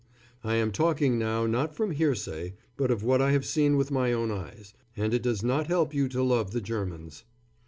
I am talking now not from hearsay, but of what I have seen with my own eyes, and it does not help you to love the Germans.